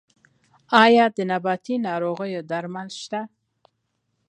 آیا د نباتي ناروغیو درمل شته؟